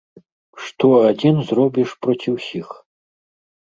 Што адзін зробіш проці ўсіх?